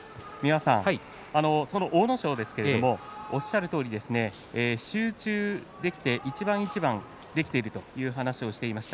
阿武咲ですけれどおっしゃるとおり集中できて一番一番できているという話をしていました。